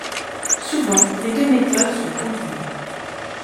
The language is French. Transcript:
Souvent, les deux méthodes sont combinées.